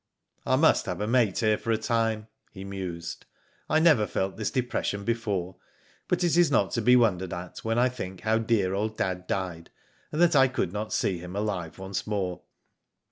" I must have a mate here for a time,'' he mused. I never felt this depression before, but it is not to be wondered at when I think how dear old dad died, and that I could not see him alive once more."